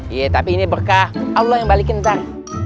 iya tapi ini berkah allah yang balikin sebentar